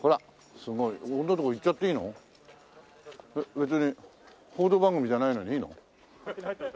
別に報道番組じゃないのにいいの？